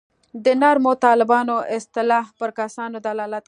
د نرمو طالبانو اصطلاح پر کسانو دلالت کوي.